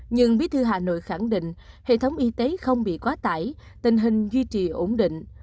nhưng bí thư hà nội khẳng định hệ thống y tế không bị quá tải tình hình duy trì ổn định